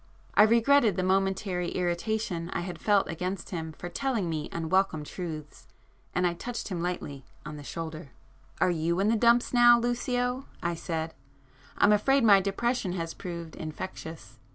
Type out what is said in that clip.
I regretted the momentary irritation I had felt against him for telling me unwelcome truths,—and I touched him lightly on the shoulder. "Are you in the dumps now Lucio?" I said—"I'm afraid my depression has proved infectious."